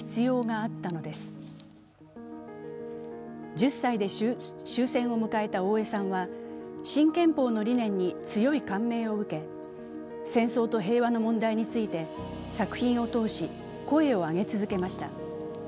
１０歳で終戦を迎えた大江さんは、新憲法の理念に強い感銘を受け、戦争と平和の問題について作品を通し、声を上げ続けました。